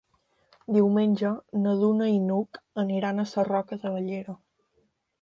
Diumenge na Duna i n'Hug aniran a Sarroca de Bellera.